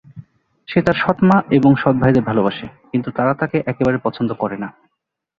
সে তার সৎ মা এবং সৎ ভাইদের ভালোবাসে, কিন্তু তারা তাকে একেবারে পছন্দ করে না।